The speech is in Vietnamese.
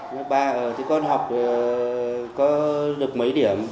lớp ba ờ thế con học có được mấy điểm